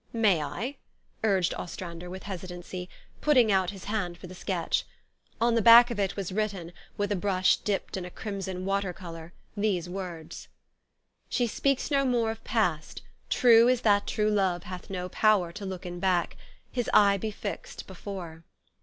"May I?" urged Ostrander with hesitancy, putting out his hand for the sketch. On the back of it was written, with a brush dipped in a crimson water color, these words, 20 THE STORY OF AVIS. " She speakes no more Of past : true is that true love hath no power To looken backe; his eie be fixt before."